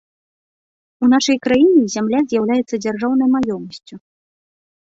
У нашай краіне зямля з'яўляецца дзяржаўнай маёмасцю.